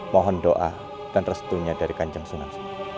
mohon doa dan restunya dari kanjeng sunan